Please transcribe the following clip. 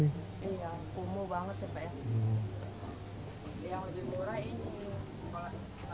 iya kumuh banget ya pak